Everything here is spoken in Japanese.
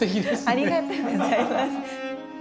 ありがとうございます。